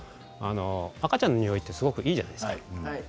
赤ちゃんの匂いはすごくいいじゃないですか。